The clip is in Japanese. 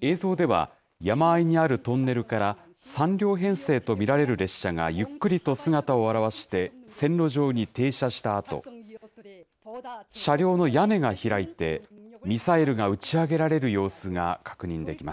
映像では、山あいにあるトンネルから、３両編成と見られる列車がゆっくりと姿を現して、線路上に停車したあと、車両の屋根が開いて、ミサイルが打ち上げられる様子が確認できます。